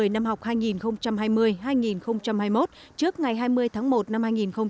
năm học hai nghìn hai mươi hai nghìn hai mươi một trước ngày hai mươi tháng một năm hai nghìn hai mươi